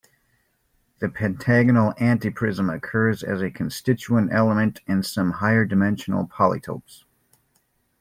The pentagonal antiprism occurs as a constituent element in some higher-dimensional polytopes.